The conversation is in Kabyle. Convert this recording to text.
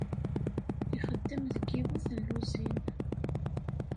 Ixeddem deg yiwet n lluzin.